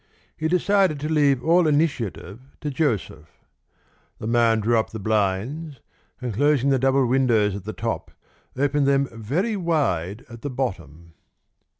He decided to leave all initiative to Joseph. The man drew up the blinds, and, closing the double windows at the top, opened them very wide at the bottom.